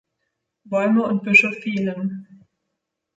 Bäume und Büsche fehlen.